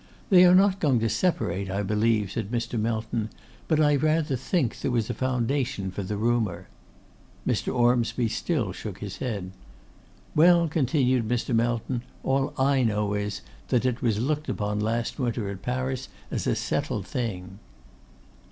'They are not going to separate, I believe,' said Mr. Melton; 'but I rather think there was a foundation for the rumour.' Mr. Ormsby still shook his head. 'Well,' continued Mr. Melton, 'all I know is, that it was looked upon last winter at Paris as a settled thing.